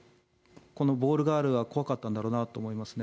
このボールガールは怖かったんだろうなと思いますね。